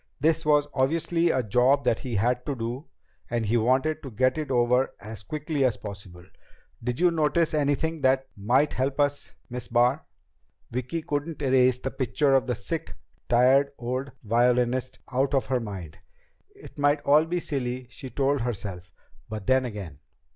This was obviously a job that he had to do, and he wanted to get it over as quickly as possible. "Did you notice anything that might help us, Miss Barr?" Vicki couldn't erase the picture of the sick, tired old violinist out of her mind. It might all be silly, she told herself. But then again